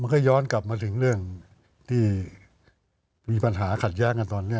ก็ย้อนกลับมาถึงเรื่องที่มีปัญหาขัดแย้งกันตอนนี้